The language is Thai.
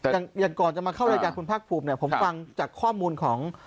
อย่างก่อนจะมาเข้ารายการคุณภาคภูมิเนี่ยผมฟังจากข้อมูลของ